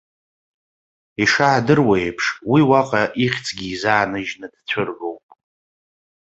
Ишаадыруа еиԥш, уи уаҟа ихьӡгьы изааныжьны дцәыргоуп.